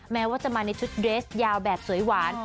แม้ว่าจะมาในชุดเดรสยาวแบบสวยหวาน